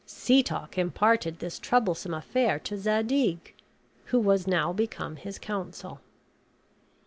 Setoc imparted this troublesome affair to Zadig, who was now become his counsel.